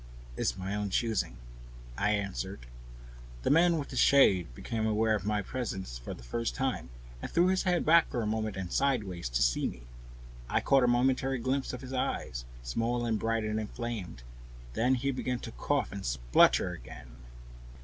"It's my own choosing," I answered. The man with the shade became aware of my presence for the first time, and threw his head back for a moment, and sidewise, to see me. I caught a momentary glimpse of his eyes, small and bright and inflamed. Then he began to cough and splutter again.